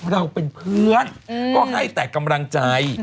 เราเป็นเพื่อนก็ให้แต่กำลังใจ